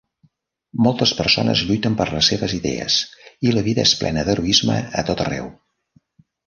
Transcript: Moltes persones lluiten per les seves idees, i la vida és plena d'heroisme a tot arreu.